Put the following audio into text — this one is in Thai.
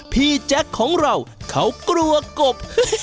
แจ็คของเราเขากลัวกบ